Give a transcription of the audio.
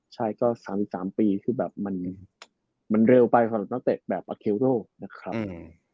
ใช่ก็๓๓ปีคือแบบมันเร็วไปสำหรับนักเตะแบบอาเคโรนะครับ